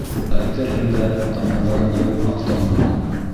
Әйтерһең дә, Тамырҙарын йыуып аҡтармаған!